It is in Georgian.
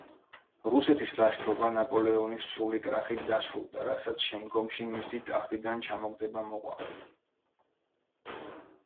რუსეთის ლაშქრობა ნაპოლეონის სრული კრახით დასრულდა, რასაც შემდგომში მისი ტახტიდან ჩამოგდება მოჰყვა.